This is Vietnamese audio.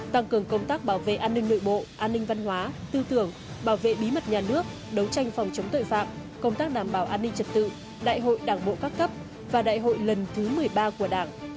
tăng cường công tác bảo vệ an ninh nội bộ an ninh văn hóa tư tưởng bảo vệ bí mật nhà nước đấu tranh phòng chống tội phạm công tác đảm bảo an ninh trật tự đại hội đảng bộ các cấp và đại hội lần thứ một mươi ba của đảng